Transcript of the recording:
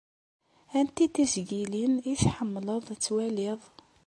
Anti tisgilin i tḥemmleḍ ad twaliḍ?